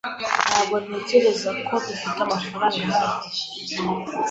Ntabwo ntekereza ko dufite amafaranga ahagije.